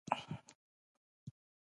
هندوانه د کلیو خلکو خوښه ده.